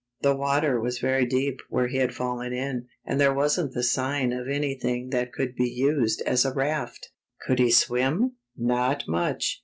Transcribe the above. The water was very deep wh^re he had fallen in, and there wasn't the sign of anything that could be used as a raft. Could he swim? Not much!